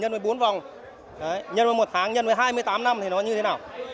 ba mươi năm x bốn vòng x một tháng x hai mươi tám năm thì nó như thế nào